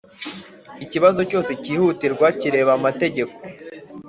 Ikibazo cyose kihutirwa kireba amategeko